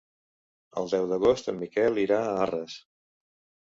El deu d'agost en Miquel irà a Arres.